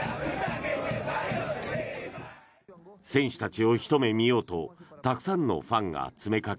選手たちをひと目見ようとたくさんのファンが詰めかけ